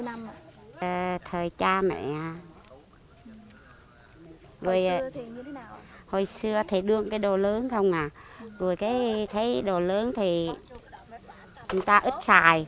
rồi cái đồ lớn thì người ta ít xài